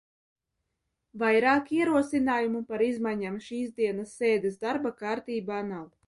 Vairāk ierosinājumu par izmaiņām šīsdienas sēdes darba kārtībā nav.